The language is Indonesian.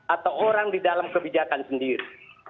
atau orang di dalam kebijakan sendiri